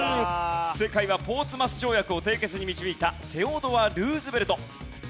正解はポーツマス条約を締結に導いたセオドア・ルーズベルト。